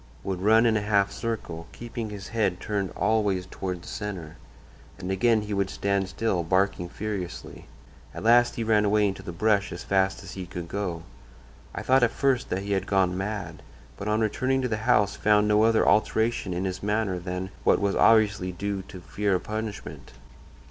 would run in a half circle, keeping his head turned always toward the centre, and again he would stand still, barking furiously. At last he ran away into the brush as fast as he could go. I thought at first that he had gone mad, but on returning to the house found no other alteration in his manner than what was obviously due to fear of punishment.